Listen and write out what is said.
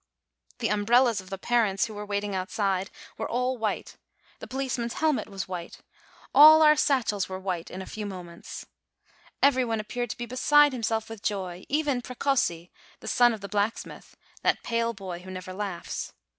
The umbrellas of the parents, who were waiting outside, THE FIRST SNOW STORM 61 were all white ; the policeman's helmet was white ; all our satchels were white in a few moments. Every one appeared to be beside himself with joy even Precossi, the son of the blacksmith, that pale boy who never laughs